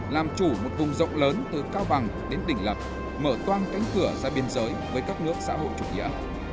làm chủ một vùng rộng lớn từ cao bằng đến tỉnh lập mở toan cánh cửa ra biên giới với các nước xã hội chủ nghĩa